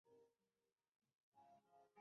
তুমি কী এখন খুশি?